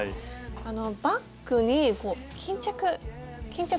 バッグに巾着巾着。